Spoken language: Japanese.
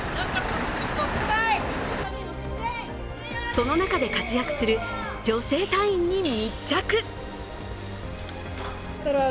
その中で活躍する女性隊員に密着。